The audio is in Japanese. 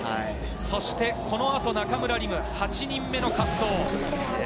そしてこの後、中村輪夢、８人目の滑走。